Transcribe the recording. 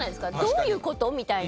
どういう事？みたいな。